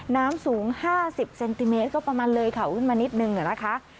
น้ำสูง๕๐เซนติเมตรก็ประมาณเลยค่ะขึ้นมานิดนึงนะคะ